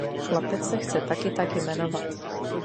Chlapec se chce taky tak jmenovat.